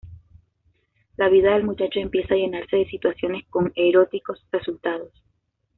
La vida del muchacho empieza a llenarse de situaciones con eróticos resultados.